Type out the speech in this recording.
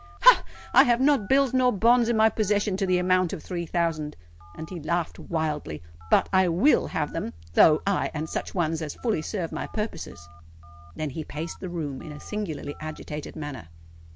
ha! I have not bills nor bonds in my possession to the amount of three thousand!"—and he laughed wildly. "But I will have them, though—aye, and such ones as shall fully serve my purposes." Then he paced the room in a singularly agitated manner.